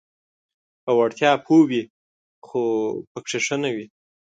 په وړتیا پوه وي خو پکې ښه نه وي: